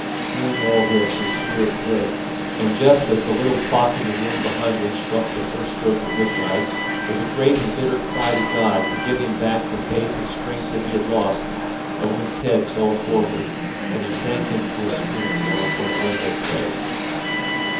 Seeing all this his spirit broke, and, just as the little clock in the room behind him struck the first stroke of midnight, with a great and bitter cry to God to give him back the faith and strength that he had lost, Owen's head fell forward and he sank into a swoon there upon the window place.